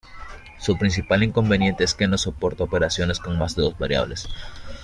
Su principal inconveniente es que no soporta operaciones con más de dos variables.